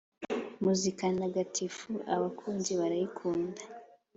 muzika ntagatifu abakuze barayikunda